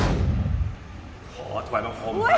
ฮาววว่ามีใครกันฮะ